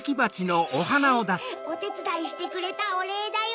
はいおてつだいしてくれたおれいだよ。